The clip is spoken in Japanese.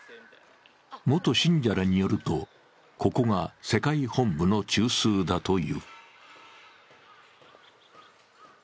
元信者らによるとここが世界本部の中枢だという。